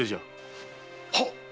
はっ！